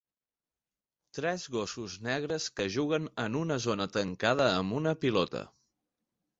Tres gossos negres que juguen en una zona tancada amb una pilota.